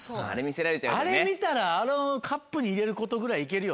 あれ見たらあのカップに入れることぐらい行けるよね。